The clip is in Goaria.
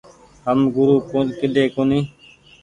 هم گورو ڪيۮي ڪونيٚ ۔